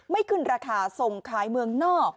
ขึ้นราคาส่งขายเมืองนอก